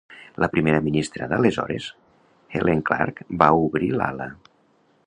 La primera ministra d'aleshores, Helen Clark, va obrir l'ala.